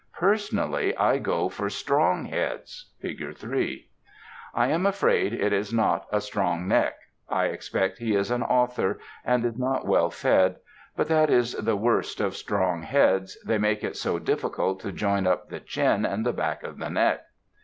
Personally, I go in for strong heads (Fig. 3). [Illustration: FIG. 3] I am afraid it is not a strong neck; I expect he is an author, and is not well fed. But that is the worst of strong heads; they make it so difficult to join up the chin and the back of the neck.